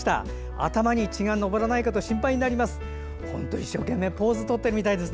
頭に血が上らないかと心配になります。